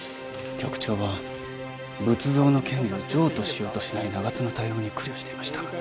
局長は仏像の権利を譲渡しようとしない長津の対応に苦慮していました。